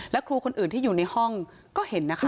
และครูคนอื่นที่อยู่ในห้องก็เห็นนะคะ